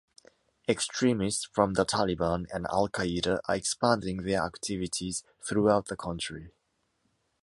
Extremists from the “Taliban” and “Al-Qaeda” are expanding their activities throughout the country.